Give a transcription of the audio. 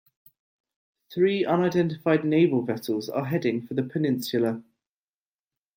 Three unidentified naval vessels are heading for the peninsula.